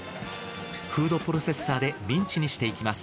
フードプロセッサーでミンチにしていきます。